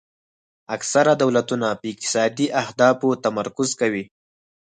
اکثره دولتونه په اقتصادي اهدافو تمرکز کوي